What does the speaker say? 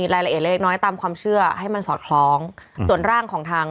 รายละเอียดเล็กน้อยตามความเชื่อให้มันสอดคล้องส่วนร่างของทาง